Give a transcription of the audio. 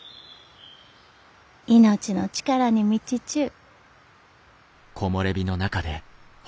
命の力に満ちちゅう。